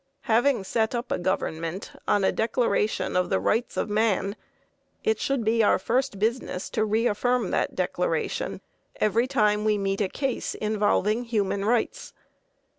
Having set up a government on a declaration of the rights of man, it should be our first business to reaffirm that declaration every time we meet a case involving human rights.